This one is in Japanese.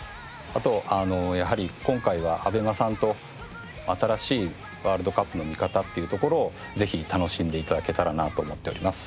あとやはり今回はＡＢＥＭＡさんと新しいワールドカップの見方っていうところをぜひ楽しんで頂けたらなと思っております。